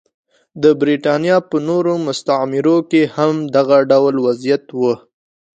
د برېټانیا په نورو مستعمرو کې هم دغه ډول وضعیت و.